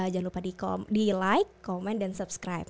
jangan lupa di like komen dan subscribe